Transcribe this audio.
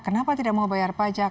kenapa tidak mau bayar pajak